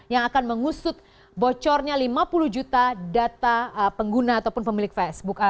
yang akan mengusut bocornya lima puluh juta data pengguna ataupun pemilik facebook